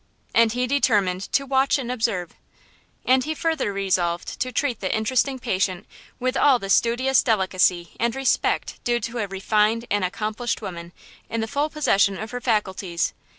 And he determined to watch and observe. And he further resolved to treat the interesting patient with all the studious delicacy and respect due to a refined and accomplished woman in the full possession of her faculties.